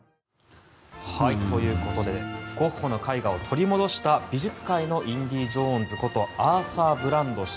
ということでゴッホの絵画を取り戻した美術界のインディ・ジョーンズことアーサー・ブランド氏